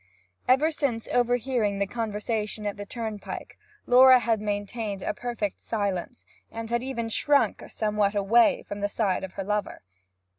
Ever since overhearing the conversation at the turnpike, Laura had maintained a perfect silence, and had even shrunk somewhat away from the side of her lover.